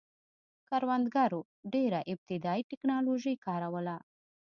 کروندګرو ډېره ابتدايي ټکنالوژي کاروله